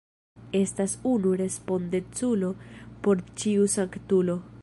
Estas unu respondeculo por ĉiu sanktulo.